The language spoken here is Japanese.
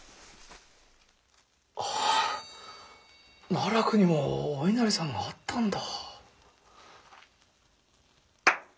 奈落にもお稲荷さんがあったんだ。